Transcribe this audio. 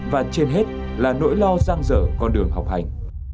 và trên hết là nỗi lo giang dở con đường học hành